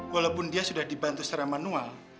walaupun dia sudah dibantu secara manual